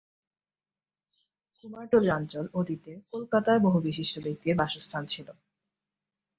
কুমারটুলি অঞ্চল অতীতের কলকাতার বহু বিশিষ্ট ব্যক্তির বাসস্থান ছিল।